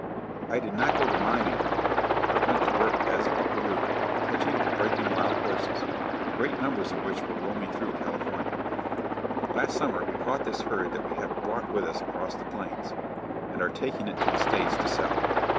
I did not go to mining, however, but went to work as a bocarro catching and breaking wild horses, great numbers of which were roaming through California. Last summer we caught this herd that we have brought with us across the plains, and are taking it to the States to sell.